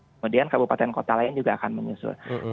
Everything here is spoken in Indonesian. kemudian kabupaten kota lain juga akan menyusul